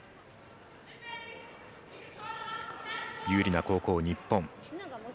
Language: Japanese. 有利な後攻、日本。